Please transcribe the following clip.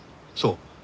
そう。